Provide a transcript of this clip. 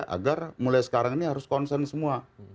agar mulai sekarang ini harus concern semua